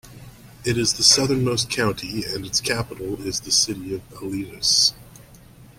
It is the southernmost county, and its capital is the city of Alytus.